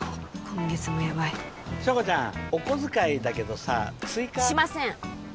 今月もやばい硝子ちゃんお小遣いだけどさ追加しません